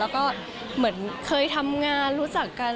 แล้วก็เหมือนเคยทำงานรู้จักกัน